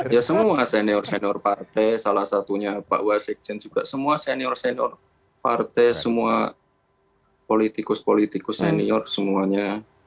ya semua senior senior partai salah satunya pak wasikjen juga semua senior senior partai semua politikus politikus senior semuanya